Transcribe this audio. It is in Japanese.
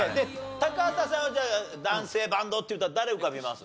高畑さんはじゃあ男性バンドって言ったら誰浮かびます？